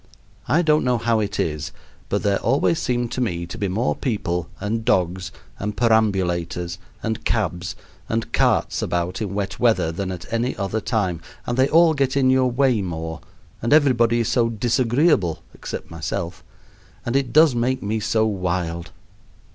I don't know how it is, but there always seem to me to be more people, and dogs, and perambulators, and cabs, and carts about in wet weather than at any other time, and they all get in your way more, and everybody is so disagreeable except myself and it does make me so wild.